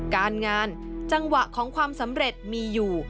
การงานจังหวะของความสำเร็จมีอยู่